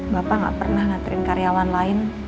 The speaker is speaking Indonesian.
bapak gak pernah nganterin karyawan lain